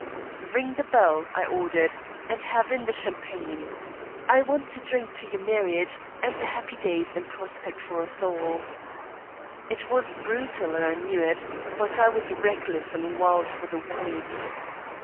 "'Ring the bell,' I ordered, 'and have in the champagne. I want to drink to your marriage and the happy days in prospect for us all,' It was brutal and I knew it; but I was reckless and wild for the wine.